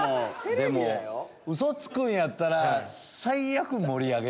でもウソつくんやったら。